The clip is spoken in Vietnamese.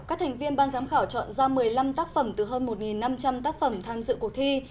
các thành viên ban giám khảo chọn ra một mươi năm tác phẩm từ hơn một năm trăm linh tác phẩm tham dự cuộc thi